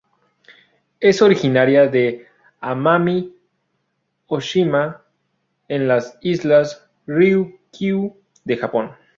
Es originaria de Amami Oshima en las Islas Ryūkyū de Japón.